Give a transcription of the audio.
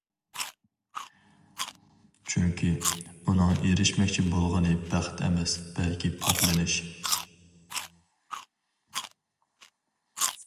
چۈنكى، ئۇنىڭ ئېرىشمەكچى بولغىنى بەخت ئەمەس، بەلكى پاكلىنىش.